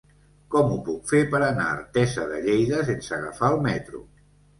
Com ho puc fer per anar a Artesa de Lleida sense agafar el metro?